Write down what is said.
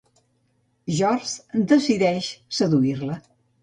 George decideix seduir-la.